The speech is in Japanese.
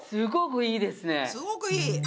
すごくいい！